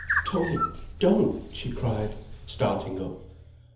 "Tony—don't," she cried, starting up.